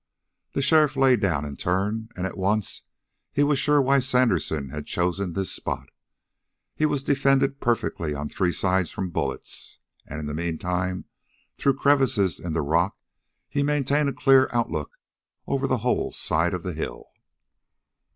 The sheriff lay down in turn, and at once he was sure why Sandersen had chosen this spot. He was defended perfectly on three sides from bullets, and in the meantime, through crevices in the rock, he maintained a clear outlook over the whole side of the hill.